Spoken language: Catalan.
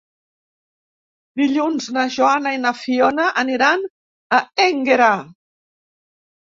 Dilluns na Joana i na Fiona aniran a Énguera.